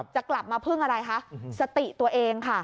จะกลับมาพึ่งอะไรคะสติตัวเองค่ะ